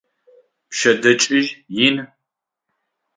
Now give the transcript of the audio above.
Пшъэдэкӏыжь ин.